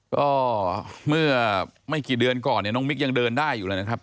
ก็เมื่อไม่กี่เดือนก่อนเนี่ยน้องมิ๊กยังเดินได้อยู่เลยนะครับ